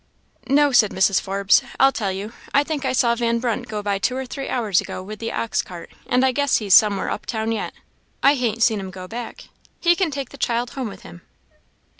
"No," said Mrs. Forbes, "I'll tell you. I think I saw Van Brunt go by two or three hours ago with the ox cart, and I guess he's somewhere up town yet; I han't seen him go back. He can take the child home with him.